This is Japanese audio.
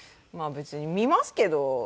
まあ別に見ますけど。